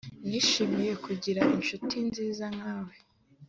Nishimiye kigira inshuti nziza nkawe